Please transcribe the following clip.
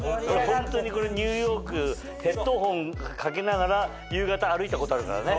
ホントにニューヨークヘッドホンかけながら夕方歩いたことあるからね。